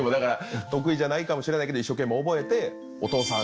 得意じゃないかもしれないけど一生懸命覚えて。